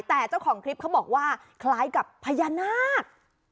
แต่เจ้าของคลิปเขาบอกว่าคล้ายกับพญานาค